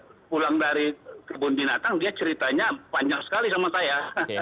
saya pulang dari kebun binatang dia ceritanya panjang sekali sama saya